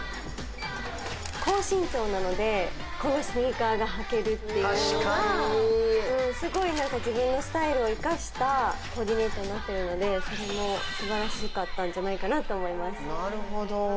高身長なので、このスニーカーが履けるっていうのが、すごいなんか自分のスタイルを生かしたコーディネートになってるので、それも素晴らしかったんじゃないかなと思います。